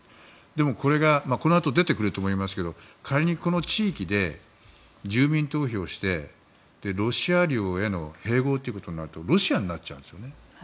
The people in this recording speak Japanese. でも、これがこのあと出てくると思いますが仮にこの地域で住民投票してロシア領への併合ということになるとロシアになっちゃうんですよね。